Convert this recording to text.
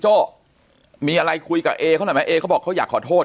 โจ้มีอะไรคุยกับเอเขาหน่อยไหมเอเขาบอกเขาอยากขอโทษ